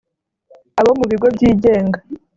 abo mu bigo byigenga